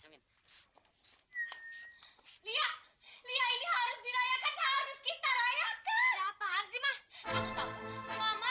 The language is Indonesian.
lihat lihat ini harus dirayakan harus kita raya